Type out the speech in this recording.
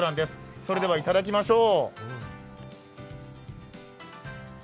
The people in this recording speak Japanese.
それではいただきましょう。